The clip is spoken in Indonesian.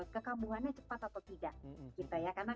kekabuhannya cepat atau tidak